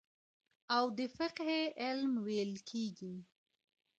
او د فقهي علم ويل کېږي.